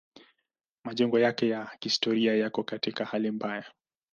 Majengo yake ya kihistoria yako katika hali mbaya.